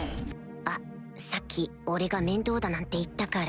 あっさっき俺が面倒だなんて言ったから